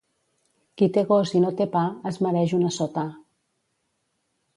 Qui té gos i no té pa, es mereix una «assotà».